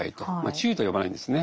治癒とは呼ばないんですね。